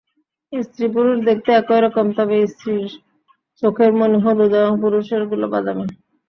স্ত্রী-পুরুষ দেখতে একই রকম, তবে স্ত্রীর চোখের মণি হলুদ এবং পুরুষেরগুলো বাদামি।